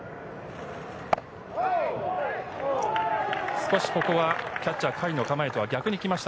少しここはキャッチャー、甲斐の構えとは逆にきました。